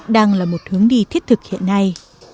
đang là một hướng đi thiết thực hiện nay